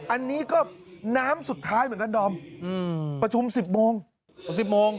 อันนี้ก็น้ำสุดท้ายเหมือนกันดอมประชุม๑๐โมง๑๐โมง